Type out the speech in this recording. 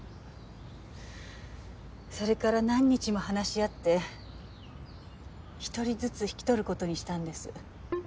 それから何日も話し合って１人ずつ引き取る事にしたんです。